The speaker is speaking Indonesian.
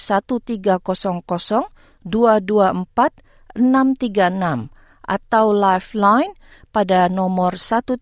atau lifeline pada nomor tiga belas sebelas empat belas